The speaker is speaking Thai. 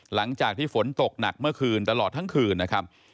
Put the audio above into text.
หลังจากที่ฝนตกหนักเมื่อคืนตลอดทั้งคืนนะครับ